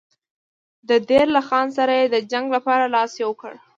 د دیر له خان سره یې د جنګ لپاره لاس یو کړ.